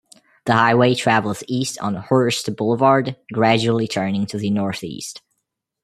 The highway travels east on Hurst Boulevard, gradually turning to the northeast.